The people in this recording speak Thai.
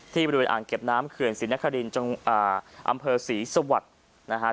ที่บริเวณอ่างเก็บน้ำเขื่อนสินคาริย์เอำเพอร์ศรีสวรรค์นะคะ